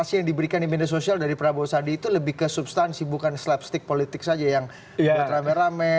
apa sih yang diberikan di media sosial dari prabowo sandi itu lebih ke substansi bukan slapstick politik saja yang buat rame rame